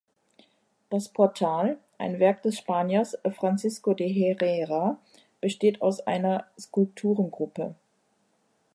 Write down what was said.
Das Portal, ein Werk des Spaniers Francisco de Herrera, besteht aus einer Skulpturengruppe.